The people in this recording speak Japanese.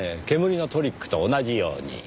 煙のトリックと同じように。